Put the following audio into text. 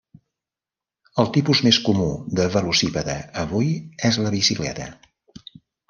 El tipus més comú de velocípede avui és la bicicleta.